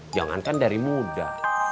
jangankan dari muda